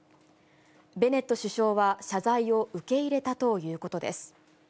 ベネット首相は謝罪を受け入れたということです。